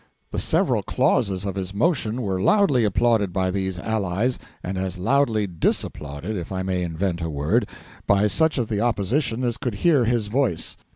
The several clauses of his motion were loudly applauded by these allies, and as loudly disapplauded if I may invent a word by such of the Opposition as could hear his voice.